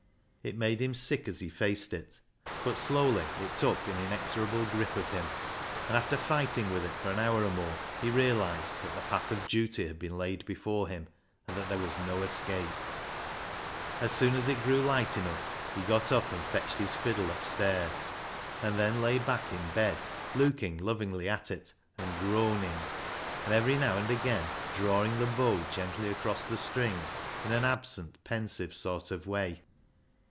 It made him sick as he faced it, but slowly it took an inexorable grip of him, and after fighting with it for an hour or more^ 3o8 BECKSIDE LIGHTS he realised that the path of duty had been laid before him and that there was no escape. As soon as it grew light enough he got up and fetched his fiddle upstairs, and then lay back in bed looking lovingly at it and groaning, and every now and again drawing the bow gently across the strings in an absent, pensive sort of way.